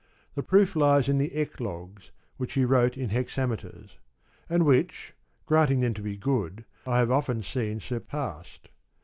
The proof lies in the Eclogues y^\v\z\i he wrote in hexameters; and which, granting them to be good, I have often seen surpassed.